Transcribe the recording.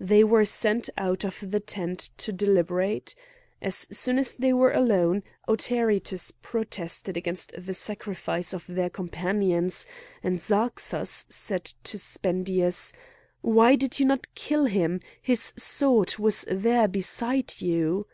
They were sent out of the tent to deliberate. As soon as they were alone, Autaritus protested against the sacrifice of their companions, and Zarxas said to Spendius: "Why did you not kill him? his sword was there beside you!"